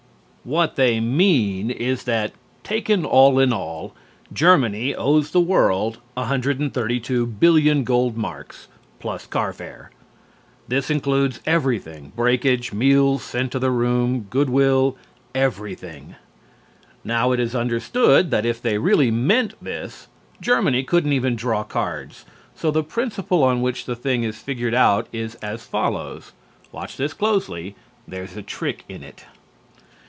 What they mean is that, taken all in all, Germany owes the world 132,000,000,000 gold marks plus carfare. This includes everything, breakage, meals sent to room, good will, everything. Now, it is understood that if they really meant this, Germany couldn't even draw cards; so the principle on which the thing is figured out is as follows: (Watch this closely; there is a trick in it).